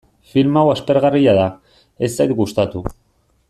Film hau aspergarria da, ez zait gustatu.